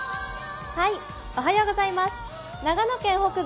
長野県北部